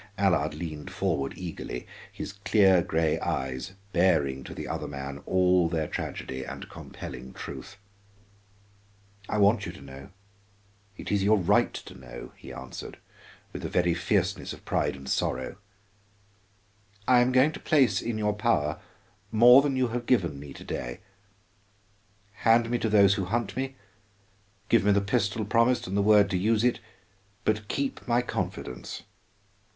Allard leaned forward eagerly, his clear gray eyes baring to the other man all their tragedy and compelling truth. "I want you to know, it is your right to know," he answered, with a very fierceness of pride and sorrow. "I am going to place in your power more than you have given me to day. Hand me to those who hunt me, give me the pistol promised and the word to use it, but keep my confidence.